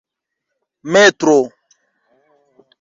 metro